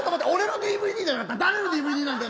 誰のＤＶＤなんだよ。